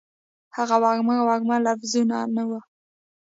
هغه وږمه، وږمه لفظونه ، نه وه